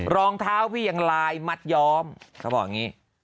รองเท้าพี่ยังลายมัดย้อมเขาบอกอย่างนี้